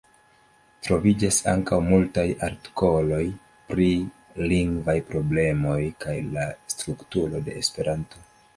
Troviĝas ankaŭ multaj artikoloj pri lingvaj problemoj kaj la strukturo de Esperanto.